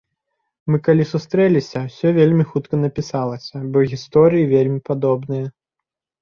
Мы калі сустрэліся, усё вельмі хутка напісалася, бо гісторыі вельмі падобныя.